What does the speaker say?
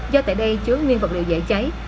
do tại đây chứa nguyên vật liệu dễ cháy